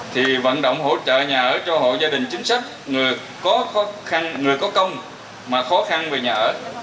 thì vận động hỗ trợ nhà ở cho hộ gia đình chính sách người có công mà khó khăn về nhà ở